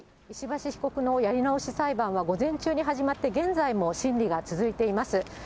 石橋被告のやり直し裁判は午前中に始まって、現在も審理が続いています。